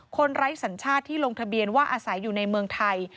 ไร้สัญชาติที่ลงทะเบียนว่าอาศัยอยู่ในเมืองไทย